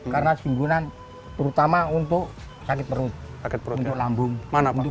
karena simbukan terutama untuk sakit perut untuk lambung untuk bau badan